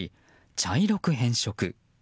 茶色く変色。